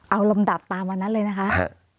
เอาลำดับตามวันนั้นเลยนะคะ